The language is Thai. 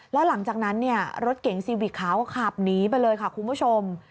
แล้วหลังจากนั้นเนี่ยรถเก๋งซีวิกขาวขับหนีไปเลยค่ะคุณผู้ชม